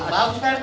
bagus pak rt